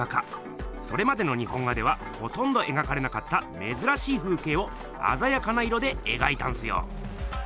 それまでの日本画ではほとんどえがかれなかった珍しい風けいをあざやかな色でえがいたんすよ。